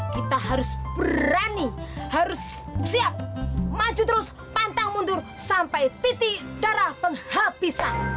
kita harus berani harus siap maju terus pantang mundur sampai titik darah penghabisan